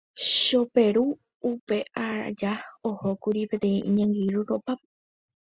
Choperu upe aja ohókuri peteĩ iñangirũ rópape.